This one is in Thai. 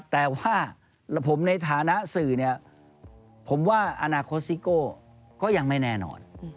แต่ว่าผมในฐานะสื่อเนี่ยผมว่าอนาคตซิโก้ก็ยังไม่แน่นอน